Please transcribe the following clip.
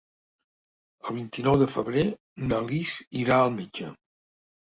El vint-i-nou de febrer na Lis irà al metge.